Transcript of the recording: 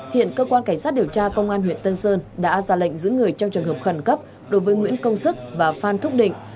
hiện cơ quan cảnh sát điều tra công an huyện tân sơn đã ra lệnh giữ người trong trường hợp khẩn cấp đối với nguyễn công sức và phan thúc định